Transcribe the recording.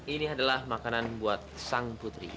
ini adalah makanan buat sang putri